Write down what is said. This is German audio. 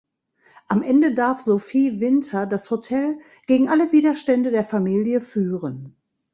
Am Ende darf Sofie Winter das Hotel gegen alle Widerstände der Familie führen.